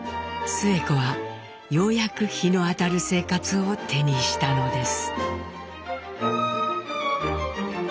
スエ子はようやく日の当たる生活を手にしたのです。